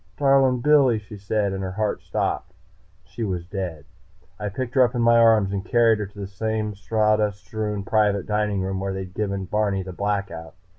"Darlin' Billy!" she said, and her heart stopped. She was dead. I picked her up in my arms and carried her to the same sawdust strewn private dining room where I'd given Barney the Blackout.